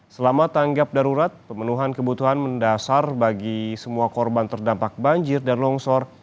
selama tanggap darurat pemenuhan kebutuhan mendasar bagi semua korban terdampak banjir dan longsor